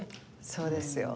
そうですよ。